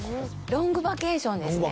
『ロングバケーション』ですね。